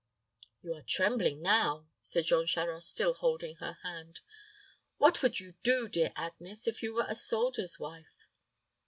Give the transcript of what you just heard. "You are trembling now," said Jean Charost, still holding her hand. "What would you do, dear Agnes, if you were a soldier's wife?"